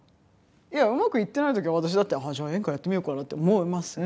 いやうまくいってない時は私だってじゃあ演歌やってみようかなって思います。